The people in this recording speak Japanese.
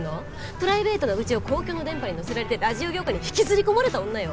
プライベートな愚痴を公共の電波にのせられてラジオ業界に引きずり込まれた女よ。